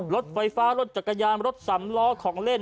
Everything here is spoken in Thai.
รถไฟฟ้ารถจักรยานรถสำล้อของเล่น